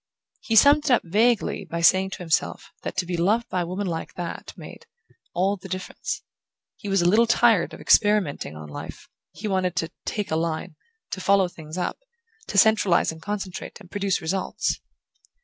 He summed it up vaguely by saying to himself that to be loved by a woman like that made "all the difference"...He was a little tired of experimenting on life; he wanted to "take a line", to follow things up, to centralize and concentrate, and produce results.